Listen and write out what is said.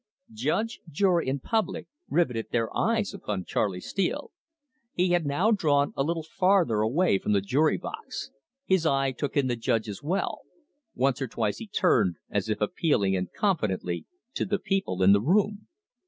Judge, jury, and public riveted their eyes upon Charley Steele. He had now drawn a little farther away from the jury box; his eye took in the judge as well; once or twice he turned, as if appealingly and confidently, to the people in the room.